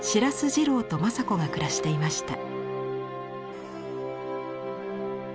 次郎と正子が暮らしていました。